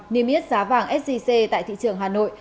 niêm yết giá vàng sgc tại thị trường hà nội